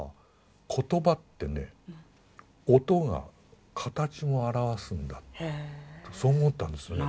言葉ってね音が形も表すんだってそう思ったんですよね。